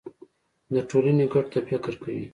د ټولنې ګټو ته فکر کوي.